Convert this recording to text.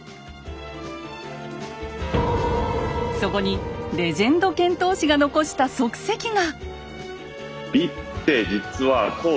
そこにレジェンド遣唐使が残した足跡が！